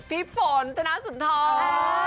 พี่ฝนตะน้าสุนทอง